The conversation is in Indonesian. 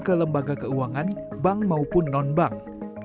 ke lembaga keuangan bank maupun non bank